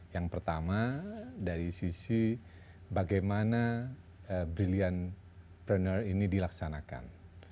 yang pertama dari sisi bagaimana brilliant pranner ini dilaksanakan